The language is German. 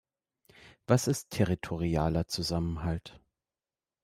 Was ist territorialer Zusammenhalt?